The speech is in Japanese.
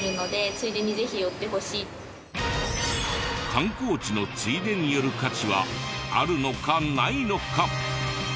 観光地のついでに寄る価値はあるのかないのか。